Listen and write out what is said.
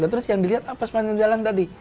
terus yang dilihat apa sepanjang jalan tadi